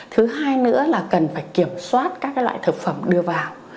thứ hai nữa là cần phải kiểm soát các loại thực phẩm đưa vào